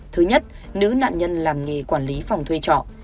thứ nhất nữ nạn nhân làm nghề quản lý phòng thuê trọ